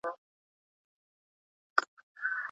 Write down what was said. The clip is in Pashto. روغتیایي سیستم څنګه پیاوړی کیدلای سي؟